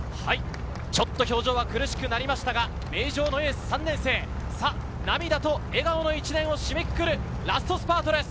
ちょっと表情が苦しくなりましたが、名城のエース、３年生、涙と笑顔の１年を締めくくるラストスパートです。